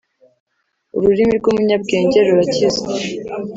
ururimi rw’umunyabwenge rurakiza